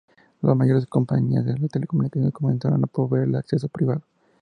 Las mayores compañías de telecomunicaciones comenzaron a proveer de acceso privado.